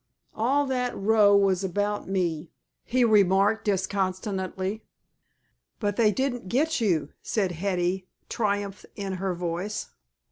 "All that row was about me," he remarked disconsolately. "But they didn't get you," said Hetty, triumph in her voice.